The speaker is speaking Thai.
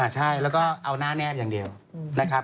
ใช่แล้วก็เอาหน้าแนบอย่างเดียวนะครับ